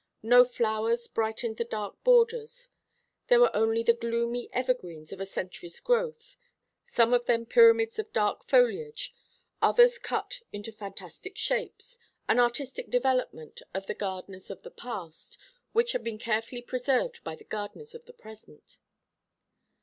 No flowers brightened the dark borders. There were only the gloomy evergreens of a century's growth, some of them pyramids of dark foliage, others cut into fantastic shapes, an artistic development of the gardeners of the past, which had been carefully preserved by the gardeners of the present.